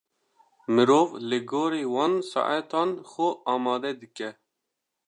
Mirov li gorî van saetan xwe amade dike.